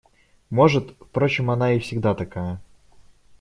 Может, впрочем, она и всегда такая.